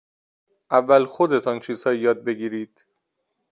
اول خودتان چیزهایی یاد بگیرید.